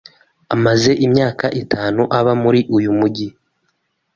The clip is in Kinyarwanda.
Amaze imyaka itanu aba muri uyu mujyi.